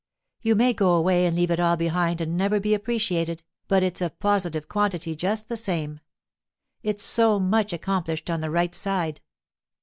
You may go away and leave it all behind and never be appreciated, but it's a positive quantity just the same. It's so much accomplished on the right side.